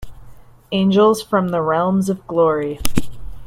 Angels from the realms of glory.